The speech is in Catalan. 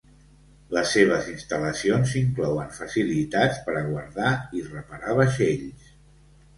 Les seves instal·lacions inclouen facilitats per a guardar i reparar vaixells.